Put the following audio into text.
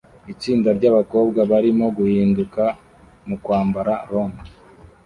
Itsinda ryabakobwa barimo guhinduka mukwambara rom